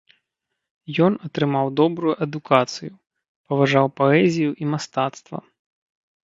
Ён атрымаў добрую адукацыю, паважаў паэзію і мастацтва.